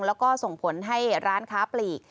แล้วก็ส่งผลให้ร้านค้าปลีก